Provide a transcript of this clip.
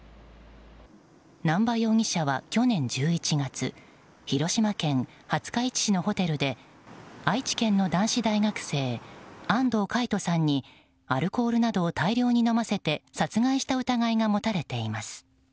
南波容疑者は去年１１月広島県廿日市市のホテルで愛知県の男子大学生安藤魁人さんにアルコールなどを大量に飲ませて殺害した疑いが持たれています。